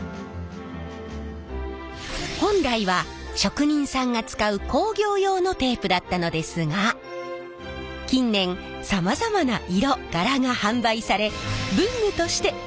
本来は職人さんが使う工業用のテープだったのですが近年さまざまな色柄が販売され文具としてかわいいと大人気！